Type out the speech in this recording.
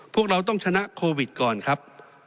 พวกเราต้องชนะโควิดก่อนครับ